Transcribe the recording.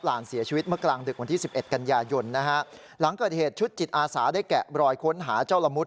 แล้วก็แกะรอยค้นหาเจ้าละมุด